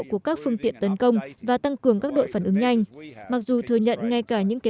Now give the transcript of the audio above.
của các phương tiện tấn công và tăng cường các đội phản ứng nhanh mặc dù thừa nhận ngay cả những kế